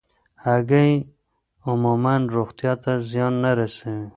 هګۍ عموماً روغتیا ته زیان نه رسوي.